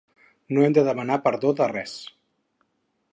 No hem de demanar perdó de res.